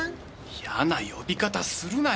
いやな呼び方するなよ。